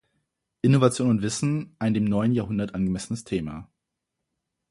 Innovation und Wissen ein dem neuen Jahrhundert angemessenes Thema.